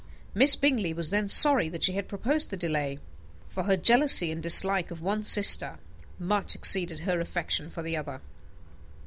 Miss Bingley was then sorry that she had proposed the delay; for her jealousy and dislike of one sister much exceeded her affection for the other.